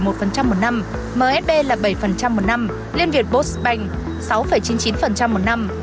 techcombank bảy một một năm msb bảy một một năm liên việt post bank sáu chín mươi chín một năm